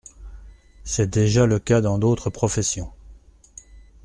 C’est déjà le cas dans d’autres professions.